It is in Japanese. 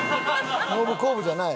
ノブコブじゃない。